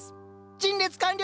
陳列完了！